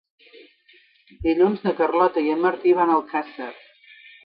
Dilluns na Carlota i en Martí van a Alcàsser.